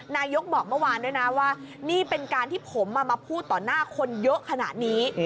นายกบอกเมื่อวานด้วยนะว่านี่เป็นการที่ผมมาพูดต่อหน้าคนเยอะขนาดนี้